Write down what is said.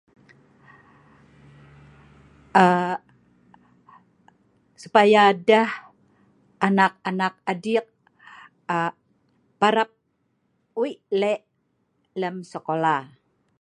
aa supaya deh anak anak adik err parap weik lek lem sekola